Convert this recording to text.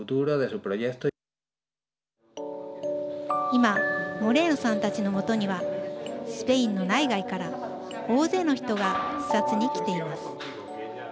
今モレーノさんたちのもとにはスペインの内外から大勢の人が視察に来ています。